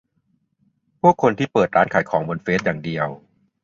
พวกคนที่เปิดร้านขายของบนเฟซอย่างเดียว